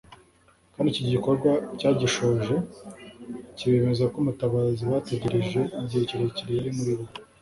kandi iki gikorwa cyagishoje kibemeza ko Umutabazi bategereje igihe kirekire yari muri bo.